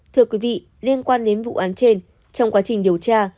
thưa quý vị liên quan đến vụ án trên trong quá trình điều tra